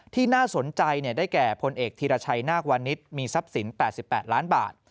ที่น่าสนใจได้แก่พลเอกธีรชัยนาควานิสมีทรัพย์สิน๘๘ล้านบาท